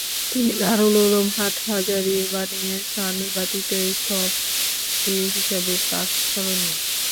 তিনি দারুল উলুম হাটহাজারীর বানীয়ে সানী বা দ্বিতীয় স্থপতি হিসেবে প্রাতঃস্মরণীয়।